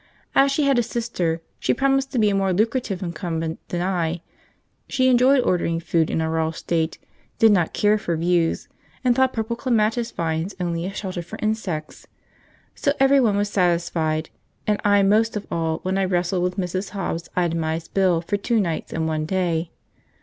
As she had a sister, she promised to be a more lucrative incumbent than I; she enjoyed ordering food in a raw state, did not care for views, and thought purple clematis vines only a shelter for insects: so every one was satisfied, and I most of all when I wrestled with Mrs. Hobb's itemised bill for two nights and one day.